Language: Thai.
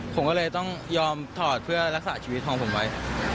ผมก็เลยต้องยอมถอดเพื่อรักษาชีวิตของผมไว้